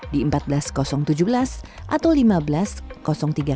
di empat belas tujuh belas atau lima belas tiga puluh